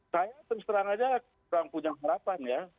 saya terserang aja kurang punya harapan ya